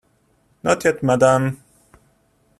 Not yet, madam.